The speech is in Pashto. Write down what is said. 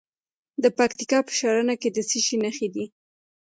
د پکتیکا په ښرنه کې د څه شي نښې دي؟